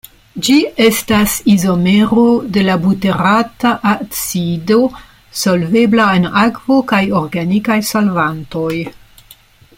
Ĝi estas izomero de la buterata acido, solvebla en akvo kaj organikaj solvantoj.